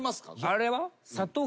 あれは？